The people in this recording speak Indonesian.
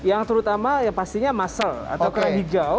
yang terutama pastinya mussel atau kerang hijau